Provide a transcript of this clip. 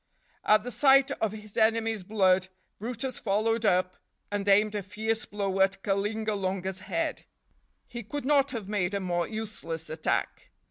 At the sight of his enemy's blood, brutus followed up and aimed a fierce blow at Kalingalunga's head; he could not have made a more useless attack.